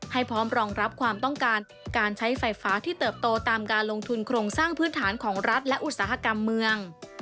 พร้อมรองรับความต้องการการใช้ไฟฟ้าที่เติบโตตามการลงทุนโครงสร้างพื้นฐานของรัฐและอุตสาหกรรมเมือง